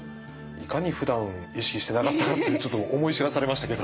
いかにふだん意識してなかったかってちょっと思い知らされましたけど。